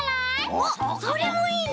おっそれもいいね。